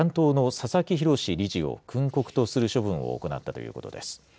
佐々木宏理事を訓告とする処分を行ったということです。